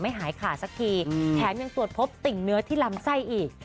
หายขาดสักทีแถมยังตรวจพบติ่งเนื้อที่ลำไส้อีก